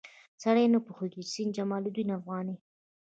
سړی نه پوهېږي چې سید جمال الدین افغاني.